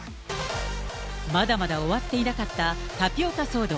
まだまだ終わっていなかったタピオカ騒動。